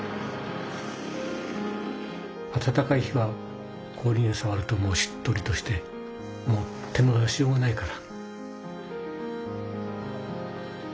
あたたかい日は氷にさわるともうしっとりとしてもう手の出しようがないから。